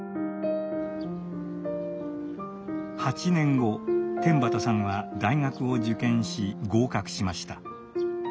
８年後天畠さんは大学を受験し合格しました。